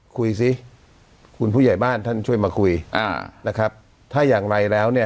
คุยสิผู้ใหญ่บ้านท่านครับถ้าอย่างไรแล้ว